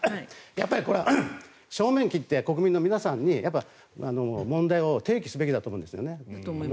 やっぱりこれは正面切って国民の皆さんに問題を提起すべきだと思うんですね。